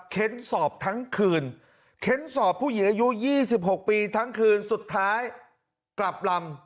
เค้นสอบทั้งคืนเค้นสอบผู้หญิงอายุ๒๖ปีทั้งคืนสุดท้ายกลับลำ